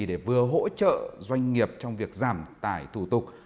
để vừa hỗ trợ doanh nghiệp trong việc giảm tải thủ tục